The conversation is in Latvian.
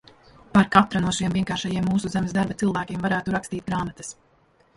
Par katru no šiem vienkāršajiem mūsu zemes darba cilvēkiem varētu rakstīt grāmatas.